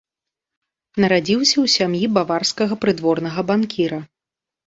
Нарадзіўся ў сям'і баварскага прыдворнага банкіра.